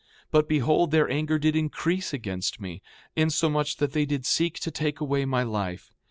5:2 But behold, their anger did increase against me, insomuch that they did seek to take away my life.